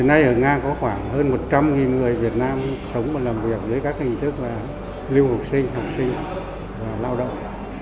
hiện nay ở nga có khoảng hơn một trăm linh người việt nam sống và làm việc với các hình thức là lưu học sinh học sinh và lao động